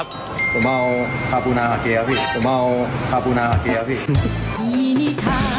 ผมเอาคาปูนาขาเกะพี่